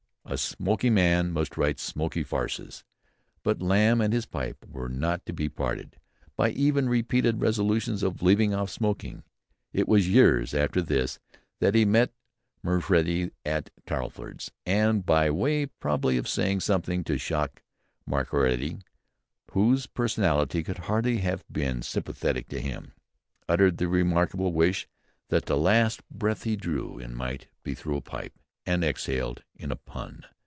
A smoky man must write smoky farces." But Lamb and his pipe were not to be parted by even repeated resolutions to leave off smoking. It was years after this that he met Macready at Talfourd's, and by way probably of saying something to shock Macready; whose personality could hardly have been sympathetic to him, uttered the remarkable wish that the last breath he drew in might be through a pipe and exhaled in a pun.